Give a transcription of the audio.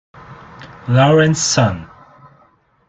Lawrence Sun".